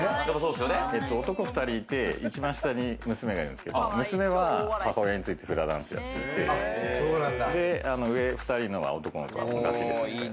男２人いて、一番下に娘がいるんですけれども、娘は母親についてフラダンスやっていて、上２人は男の子は同じ。